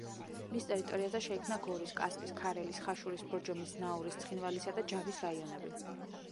მის ტერიტორიაზე შეიქმნა გორის, კასპის, ქარელის, ხაშურის, ბორჯომის, ზნაურის, ცხინვალისა და ჯავის რაიონები.